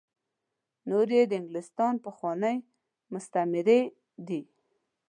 نور یې د انګلستان پخواني مستعميري دي.